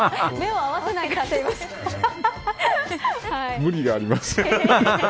無理があります。